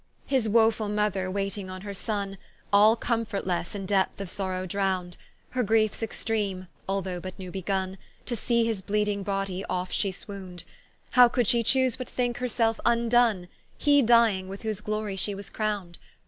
¶ His wofull Mother waiting on her Sonne, All comfortelesse in depth of sorrow drownd; Her griefes extreame, although but new begunne, To see his bleeding Body oft she swouned: How could she choose but thinke her selfe vndone, He dying, with whose glory she was crowned?